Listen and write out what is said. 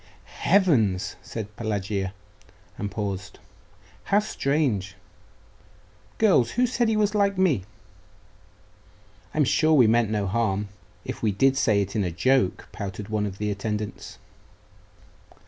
'Heavens!' said Pelagia, and paused.... 'How strange! Girls, who said he was like me?' 'I'm sure we meant no harm, if we did say it in a joke,' pouted one of the attendants.